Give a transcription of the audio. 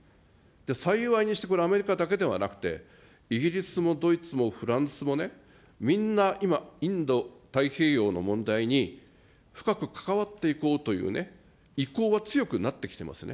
幸いにして、これ、アメリカだけではなくて、イギリスもドイツもフランスもね、みんな今、インド太平洋の問題に、深く関わっていこうという意向は強くなってきてますよね。